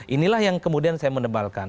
inilah yang kemudian saya menebalkan